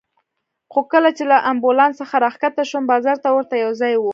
خو کله چې له امبولانس څخه راکښته شوم، بازار ته ورته یو ځای و.